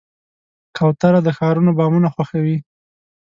کوتره د ښارونو بامونه خوښوي.